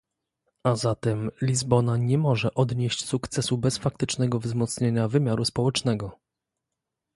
A zatem Lizbona nie może odnieść sukcesu bez faktycznego wzmocnienia wymiaru społecznego